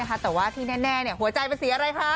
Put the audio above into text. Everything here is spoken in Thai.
แต่ว่าที่แน่หัวใจเป็นสีอะไรคะ